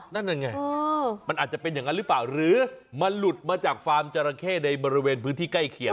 นั่นนั่นไงมันอาจจะเป็นอย่างนั้นหรือเปล่าหรือมันหลุดมาจากฟาร์มจราเข้ในบริเวณพื้นที่ใกล้เคียง